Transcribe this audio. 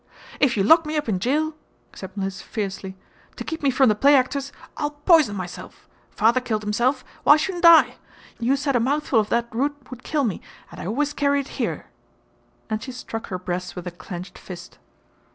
"If you lock me up in jail," said Mliss, fiercely, "to keep me from the play actors, I'll poison myself. Father killed himself why shouldn't I? You said a mouthful of that root would kill me, and I always carry it here," and she struck her breast with her clenched fist.